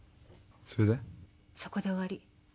そこで終わり。